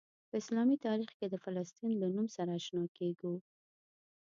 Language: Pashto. په اسلامي تاریخ کې د فلسطین له نوم سره آشنا کیږو.